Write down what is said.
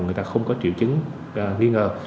người ta không có triệu chứng nghi ngờ